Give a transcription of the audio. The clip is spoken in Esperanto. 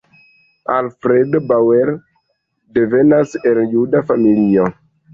Alfredo Bauer devenas el juda familio.